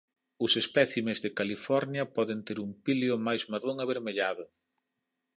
Os espécimes de California poden ter un píleo máis marrón avermellado.